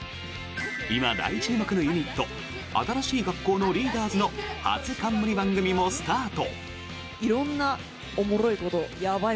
今、大注目のユニット新しい学校のリーダーズの初冠番組もスタート。